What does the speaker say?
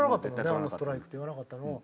あんなストライクって言わなかったのを。